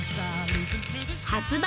発売